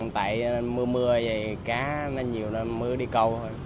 tại mưa mưa cá nhiều nên mưa đi câu